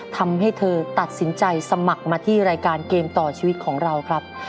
ทำให้เธอตัดสินใจสมัครมาที่รายการเกมต่อชีวิตของเราครับ